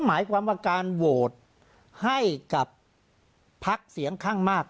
หมายความว่าการโหวตให้กับพักเสียงข้างมาก